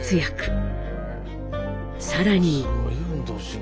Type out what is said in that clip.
更に。